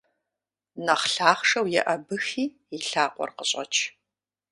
Нэхъ лъахъшэу еӀэбыхи и лъакъуэр къыщӀэч!